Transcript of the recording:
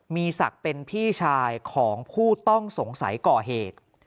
มีศักดิ์เป็นพี่ชายของผู้ต้องสงสัยก่อเหตุ